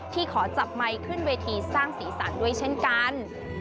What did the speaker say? ขอจับไมค์ขึ้นเวทีสร้างสีสันด้วยเช่นกัน